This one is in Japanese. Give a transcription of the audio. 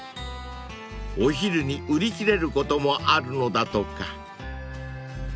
［お昼に売り切れることもあるのだとか］